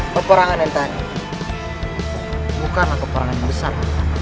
pemperangan yang tadi bukanlah peperangan besar